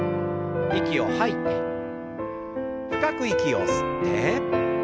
息を吐いて深く息を吸って。